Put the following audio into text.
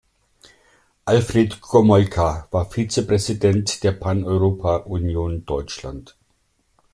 Alfred Gomolka war Vizepräsident der Paneuropa-Union Deutschland.